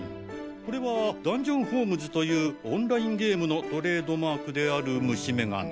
これは『ダンジョン・ホームズ』というオンラインゲームのトレードマークである虫眼鏡。